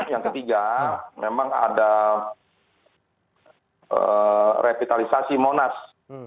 yang ketiga memang ada revitalisasi monas